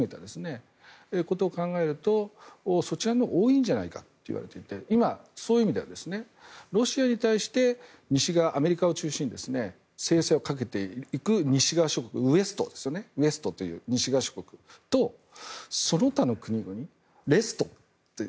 そういうことを考えるとそちらのほうが多いんじゃないかといわれていて今、そういう意味ではロシアに対して西側、アメリカを中心に制裁をかけていく西側諸国ウェストという西側諸国とその他の国々、レスト。